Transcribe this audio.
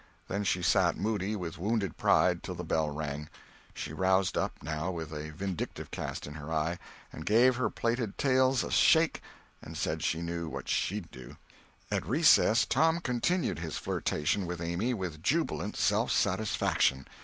Then she sat moody, with wounded pride, till the bell rang. She roused up, now, with a vindictive cast in her eye, and gave her plaited tails a shake and said she knew what she'd do. At recess Tom continued his flirtation with Amy with jubilant self satisfaction.